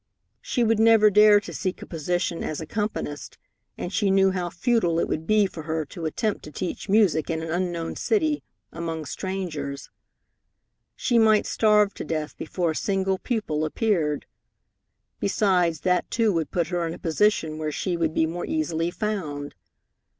She would never dare to seek a position as accompanist, and she knew how futile it would be for her to attempt to teach music in an unknown city, among strangers. She might starve to death before a single pupil appeared. Besides, that too would put her in a position where she would be more easily found.